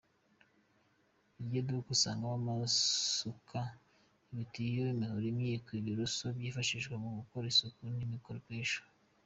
Iryo duka usangamo amasuka, ibitiyo, imihoro, imyiko, ibiroso byifashishwa mu gukora isuku n’imikoropesho.